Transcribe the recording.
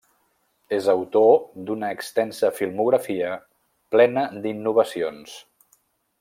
És autor d'una extensa filmografia plena d'innovacions.